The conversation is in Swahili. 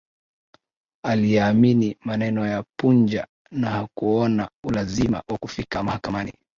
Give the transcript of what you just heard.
Aliyaamini maneno ya Punja na hakuona ulazima wa kufika mahakamani